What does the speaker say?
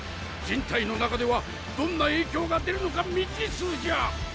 人体の中ではどんな影響が出るのか未知数じゃ！